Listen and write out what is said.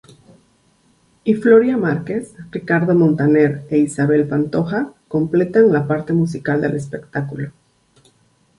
Y Floria Márquez, Ricardo Montaner e Isabel Pantoja completan la parte musical del espectáculo.